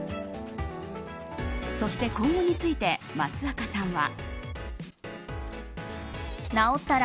そして、今後について益若さんは。